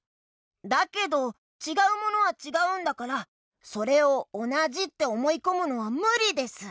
だけどちがうものはちがうんだからそれをおなじっておもいこむのはむりです。